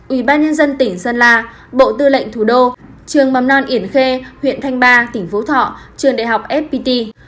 ubnd tỉnh sơn la bộ tư lệnh thủ đô trường mầm non yển khê huyện thanh ba tỉnh phố thọ trường đại học fpt